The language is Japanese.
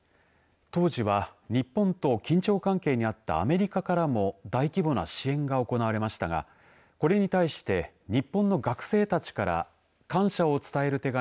当時は日本と緊張関係にあったアメリカからも大規模な支援が行われましたがこれに対して日本の学生たちから感謝を伝える手紙